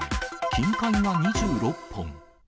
金塊が２６本。